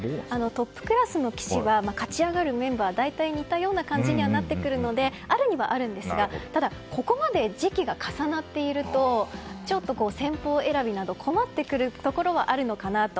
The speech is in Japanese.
トップクラスの棋士は勝ち上がるメンバーが大体似たような感じにはなってくるのであるにはあるんですがただ、ここまで時期が重なっているとちょっと戦法選びなど困ってくるところはあるのかなと。